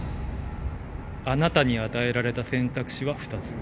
あなたに与えられた選択肢は２つ。